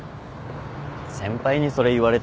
先輩にそれ言われても。